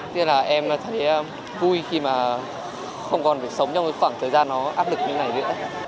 thì là em thấy vui khi mà không còn phải sống trong khoảng thời gian nó áp lực như thế này nữa